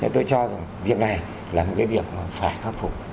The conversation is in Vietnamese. thì tôi cho rằng việc này là một cái việc phải khắc phục